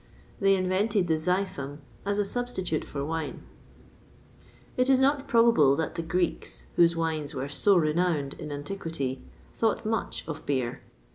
They invented the zythum as a substitute for wine.[XXVI 8] It is not probable that the Greeks, whose wines were so renowned in antiquity, thought much of beer.